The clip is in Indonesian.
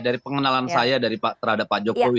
dari pengenalan saya terhadap pak jokowi